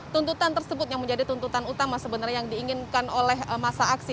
tuntutan tersebut yang menjadi tuntutan utama sebenarnya yang diinginkan oleh masa aksi